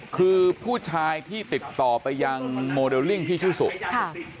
คือผู้ชายที่ติดต่อไปยังโมเดลลิ่งที่ชื่อสุค่ะ